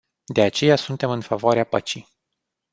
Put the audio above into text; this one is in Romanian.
De aceea suntem în favoarea păcii.